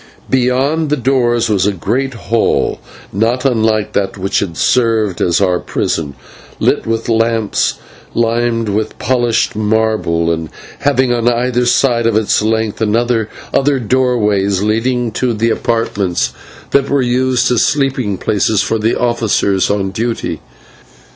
Beyond the doors was a great hall not unlike that which had served as our prison, lit with lamps, lined with polished marble, and having on either side of its length doorways leading to the apartments that were used as sleeping places for the officers on duty.